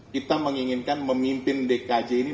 kita menginginkan memimpin dkj ini